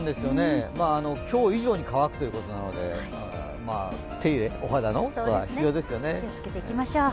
今日以上に乾くということなので、お肌の手入れが必要ですよね。